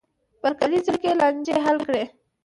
بر کلي جرګې لانجې حل کړې.